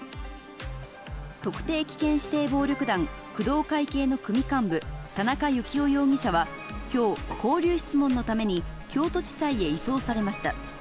特定危険指定暴力団、工藤会系の組幹部、田中幸雄容疑者は、きょう、勾留質問のために京都地裁へ移送されました。